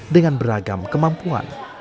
dengan beragam kemampuan